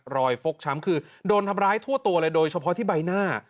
ฟกช้ำคือโดนทำร้ายทั่วตัวเลยโดยเฉพาะที่ใบหน้า